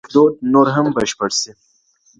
کيدای سي پښتو لیکدود نور هم بشپړ سي.